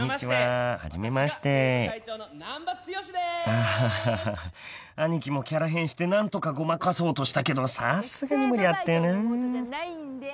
［アハハアニキもキャラ変して何とかごまかそうとしたけどさすがに無理あったよな］